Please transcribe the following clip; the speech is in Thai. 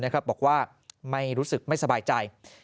ให้ข้อมูลบอกว่าไม่รู้สึกสบายใจ